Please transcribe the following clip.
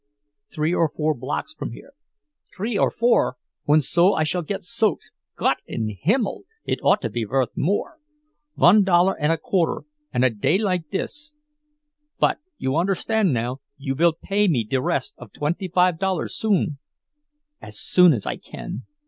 "Three or four blocks from here." "Tree or four! Und so I shall get soaked! Gott in Himmel, it ought to be vorth more! Vun dollar und a quarter, und a day like dis!—But you understand now—you vill pay me de rest of twenty five dollars soon?" "As soon as I can."